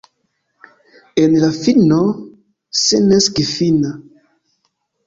En la fino, sensignifa.